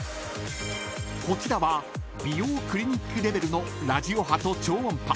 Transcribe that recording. ［こちらは美容クリニックレベルのラジオ波と超音波］